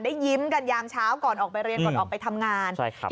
ยิ้มกันยามเช้าก่อนออกไปเรียนก่อนออกไปทำงานใช่ครับ